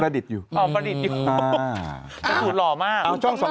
ดูยิ้มตึง